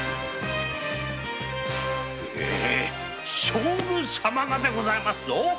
「将軍様が」でございますぞ。